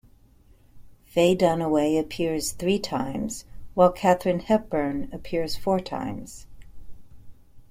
Faye Dunaway appears three times, while Katharine Hepburn appears four times.